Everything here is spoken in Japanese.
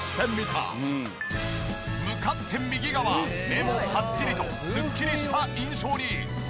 向かって右側目もパッチリとスッキリした印象に。